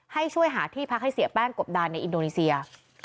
ให้ช่วยหาที่พักให้เสียแป้งกบดานในอินโดนีเซีย